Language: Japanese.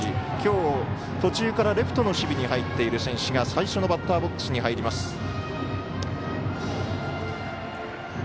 きょう、途中からレフトの守備に入っている選手が最初のバッターボックスに入ります。